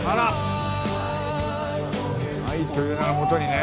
『愛という名のもとに』ね。